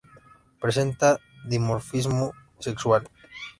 Presenta dimorfismo sexual.